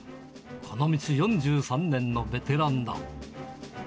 この道４３年のベテランだ。